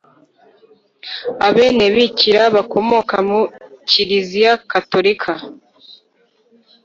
Abenebikira bakomoka muri Kiliziya Gatolika